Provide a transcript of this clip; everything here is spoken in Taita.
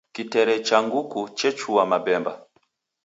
Kitere cha nguku chechua mabemba.